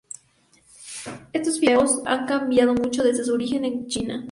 Estos fideos han cambiado mucho desde su origen en China.